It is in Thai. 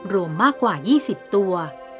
รวมมากกว่า๒๐ตัว